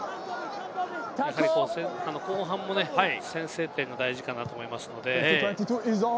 後半も先制点が大事かなと思います。